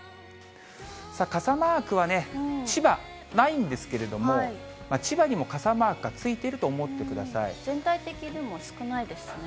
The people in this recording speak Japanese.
傘マークはね、千葉ないんですけれども、千葉にも傘マークがついていると思って全体的にも少ないですね。